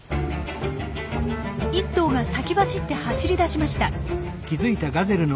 １頭が先走って走り出しました。